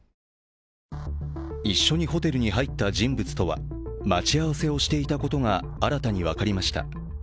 一緒にホテルに入った人物とは待ち合わせをしていたことが新たに分かりました。